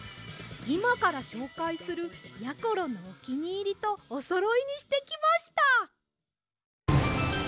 いまからしょうかいするやころのおきにいりとおそろいにしてきました！